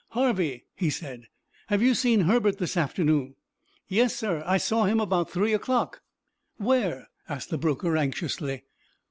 "Harvey," he said, "have you seen Herbert this afternoon?" "Yes, sir; I saw him about three o'clock." "Where?" asked the broker, anxiously.